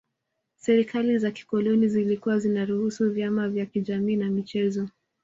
Serikali za kikoloni zilikuwa zinaruhusu vyama vya kijamii na michezo